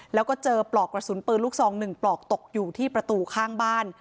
แล้วก็เจอปลอกกระสุนปืนลูกซอง๑ปลอกตกอยู่ที่ประตูข้างบ้าน